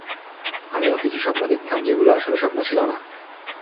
আমিও কিছু স্বপ্ন দেখতাম যেগুলো আসলে স্বপ্ন ছিল না।